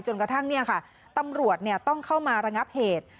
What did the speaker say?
กระทั่งตำรวจต้องเข้ามาระงับเหตุ